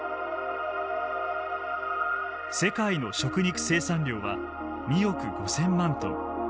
世界の食肉生産量は２億５，０００万トン。